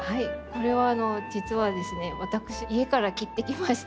これは実はですね私家から切ってきまして。